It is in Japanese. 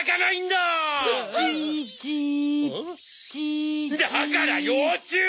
だから幼虫えっ？